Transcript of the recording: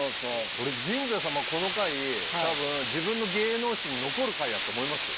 俺ジンザ様この回多分自分の芸能史に残る回やと思いますよ。